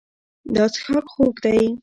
دا څښاک خوږ دی.